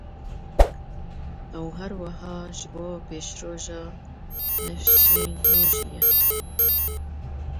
Ew her weha ji bo pêşeroja nifşên nû jî ye.